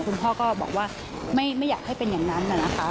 คุณพ่อก็บอกว่าไม่อยากให้เป็นอย่างนั้นนะคะ